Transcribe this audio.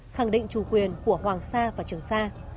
khẳng định chủ quyền của hoàng sa và trường sa